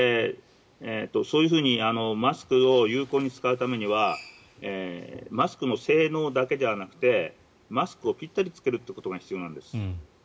そういうふうにマスクを有効に使うためにはマスクの性能だけではなくてマスクをピッタリ着けるということが大事なんです。